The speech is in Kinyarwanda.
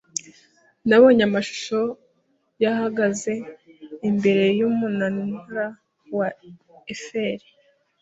Nabonye amashusho ya ahagaze imbere yumunara wa Eiffel.